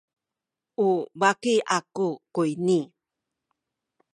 u baki aku kuyni.